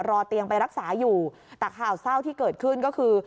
รอเตียงไปรักษาอยู่แต่ข่าวเศร้าที่เกิดขึ้นก็คือ